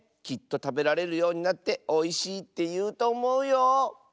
きっとたべられるようになっておいしいっていうとおもうよ。